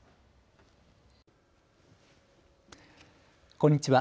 こんにちは。